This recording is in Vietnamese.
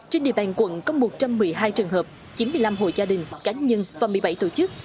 trên địa bàn quận có một trăm một mươi hai trường hợp chín mươi năm hội gia đình cá nhân và một mươi bảy tổ chức